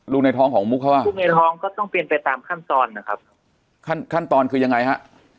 ในท้องของมุกเขาอ่ะมุกในท้องก็ต้องเป็นไปตามขั้นตอนนะครับขั้นขั้นตอนคือยังไงฮะ